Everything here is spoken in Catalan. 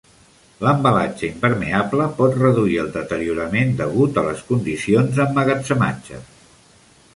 L'embalatge impermeable pot reduir el deteriorament degut a les condicions d'emmagatzematge.